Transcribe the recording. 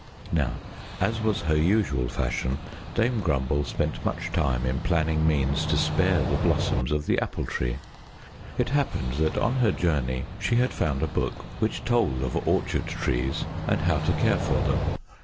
Now, as was her usual fashion, Dame Grumble spent much time in planning means to spare the blossoms of the Apple Tree. It happened that on her journey she had found a book which told of orchard trees and how to care for them.